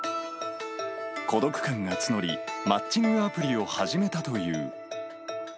孤独感が募り、マッチングアプリを始めたという。